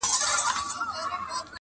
کروندې يې د کهاله څنگ ته لرلې.!